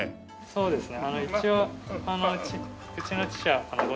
そうですね。